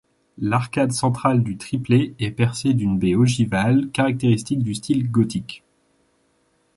L'arcade centrale du triplet est percée d'une baie ogivale caractéristique du style gothique.